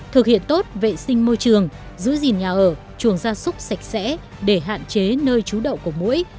thực hiện tốt vệ sinh môi trường giữ gìn nhà ở chuồng gia súc sạch sẽ để hạn chế nơi trú đậu của mũi